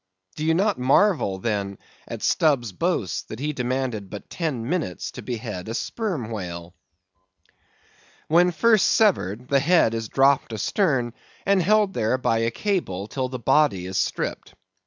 Do you not marvel, then, at Stubb's boast, that he demanded but ten minutes to behead a sperm whale? When first severed, the head is dropped astern and held there by a cable till the body is stripped.